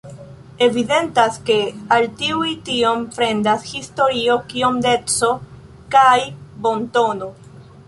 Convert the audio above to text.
Evidentas, ke al tiuj tiom fremdas historio kiom deco kaj bontono.